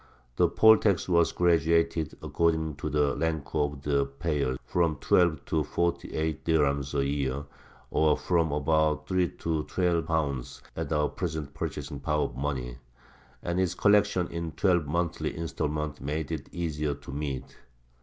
The poll tax was graduated according to the rank of the payer, from twelve to forty eight dirhems a year, or from about three to twelve pounds at our present purchasing power of money; and its collection in twelve monthly instalments made it the easier to meet.